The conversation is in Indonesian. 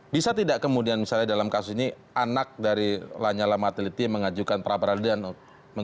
bisa tidak kemudian misalnya dalam kasus ini anak dari lanyala mateliti mengajukan pra peradilan